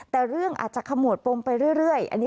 แต่เรื่องอาจจะขมวดปมไปเรื่อย